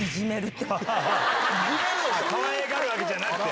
かわいがるわけじゃなくて？